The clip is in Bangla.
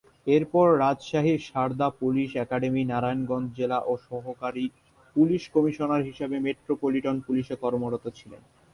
এরপর রাজশাহীর সারদা পুলিশ একাডেমি, নারায়ণগঞ্জ জেলা ও সহকারী পুলিশ কমিশনার হিসেবে ঢাকা মেট্রোপলিটন পুলিশ এ কর্মরত ছিলেন।